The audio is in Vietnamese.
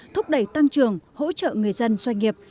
thúc đẩy tăng trưởng hỗ trợ người dân doanh nghiệp